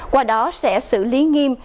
qua đó sẽ xử lý nghiêm